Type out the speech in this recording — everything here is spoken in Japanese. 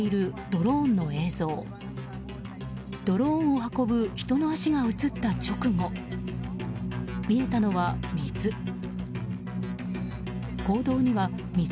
ドローンを運ぶ人の足が映った直後見えたのは、水。